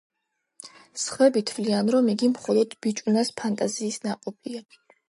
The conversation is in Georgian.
სხვები თვლიან, რომ იგი მხოლოდ ბიჭუნას ფანტაზიის ნაყოფია.